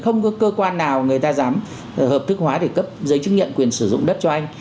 không có cơ quan nào người ta dám hợp thức hóa để cấp giấy chứng nhận quyền sử dụng đất cho anh